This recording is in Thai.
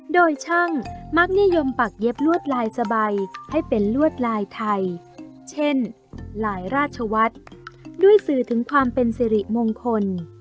โดยช่างมักนิยมปักเย็บลวดลายสบายให้เป็นลวดลายไทยเช่นลายราชวัฒน์ด้วยสื่อถึงความเป็นสิริมงคล